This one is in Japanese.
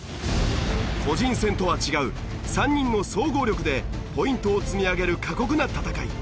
個人戦とは違う３人の総合力でポイントを積み上げる過酷な戦い。